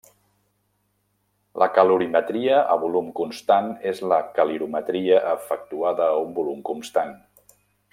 La calorimetria a volum constant és la calorimetria efectuada a un volum constant.